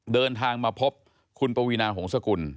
เดินทางมาพบคุณปวีนาหงษกุล